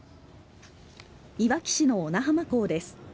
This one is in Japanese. いわき市の小名浜港です。